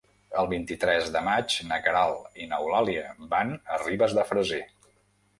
El vint-i-tres de maig na Queralt i n'Eulàlia van a Ribes de Freser.